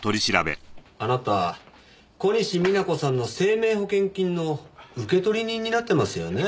あなた小西皆子さんの生命保険金の受取人になってますよね？